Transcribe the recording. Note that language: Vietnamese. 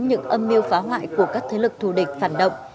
những âm mưu phá hoại của các thế lực thù địch phản động